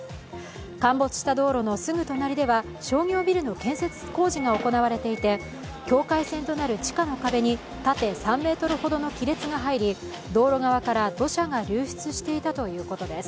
陥没した道路のすぐ隣では商業ビルの建設工事が行われていて境界線となる地下の壁に縦３ｍほどの亀裂が入り道路側から土砂が流出していたということです。